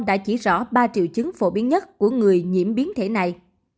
đã chỉ rõ ba triệu chứng phổ biến nhất của người nhiễm biến thể này